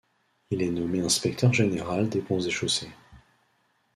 Il est nommé inspecteur général des Ponts et Chaussées.